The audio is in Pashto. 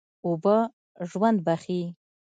اوبه ژوند بښي.